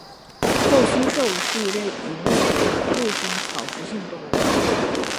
厚膝兽是一类已灭绝的陆生草食性动物。